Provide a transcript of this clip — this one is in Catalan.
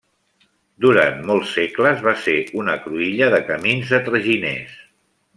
Durant molts segles va ser una cruïlla de camins de traginers.